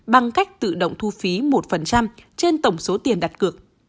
bằng cách tự động thu phí một trên tổng số tiền đặt cược